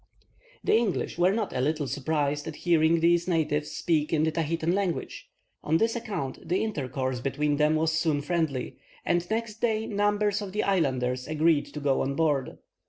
The English were not a little surprised at hearing these natives speak in the Tahitan language. On this account the intercourse between them was soon friendly, and next day numbers of the islanders agreed to go on board.